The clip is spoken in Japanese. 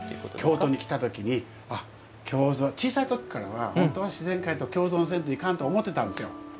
京都に来たときに小さいときからは本当は自然界と共存せんといかんと思ってたんですよ。